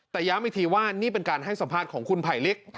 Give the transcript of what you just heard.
แต่ย้ำอีกทีว่านี่เป็นการให้สัมภาษณ์ของคุณไผลลิก